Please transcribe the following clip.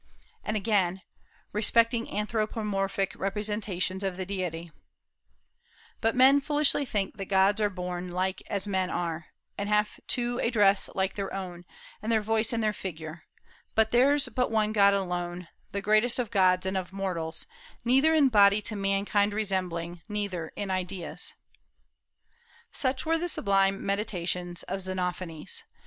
And again, respecting anthropomorphic representations of the deity, "But men foolishly think that gods are born like as men are, And have too a dress like their own, and their voice and their figure; But there's but one God alone, the greatest of gods and of mortals, Neither in body to mankind resembling, neither in ideas." Such were the sublime meditations of Xenophanes.